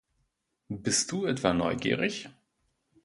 Bist du etwa neugierig?